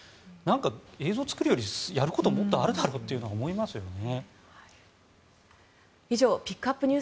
映像を作るよりやることもっとあるだろと思いますよね。